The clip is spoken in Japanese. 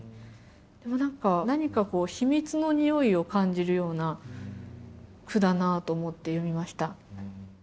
でも何か何か秘密のにおいを感じるような句だなと思って読みました。